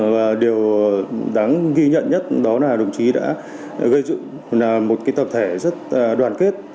và điều đáng ghi nhận nhất đó là đồng chí đã gây ra một tập thể rất đoàn kết